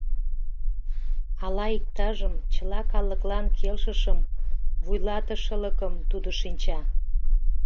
Ала иктажым, чыла калыклан келшышым, вуйлатышылыкым тудо шинча?